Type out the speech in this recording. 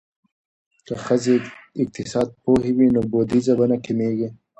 که ښځې اقتصاد پوهې وي نو بودیجه به نه کمیږي.